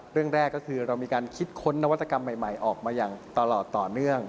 เรื่องแรกก็คือเรามีการคิดค้นนวัตกรรมใหม่ออกมาอย่างตลอดต่อเนื่อง